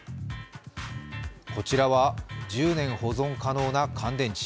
こちらは、１０年保存可能な乾電池。